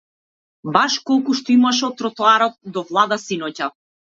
Баш колку што имаше од тротоар до влада синоќа.